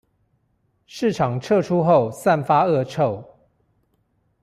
市場撤出後散發惡臭